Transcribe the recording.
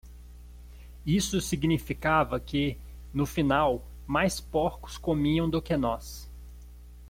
Isso significava que, no final, mais porcos comiam do que nós.